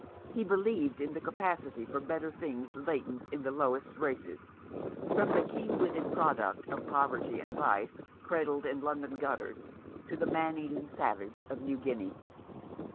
He believed in the capacity for better things latent in the lowest races, from the keen witted product of poverty and vice cradled in London gutters to the man eating savage of New Guinea.